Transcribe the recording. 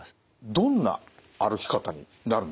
どんな歩き方になるんでしょうか？